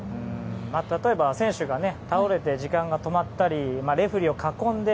例えば、選手が倒れて時間が止まったりレフェリーを囲んで